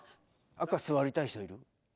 赤、座りたい人いる？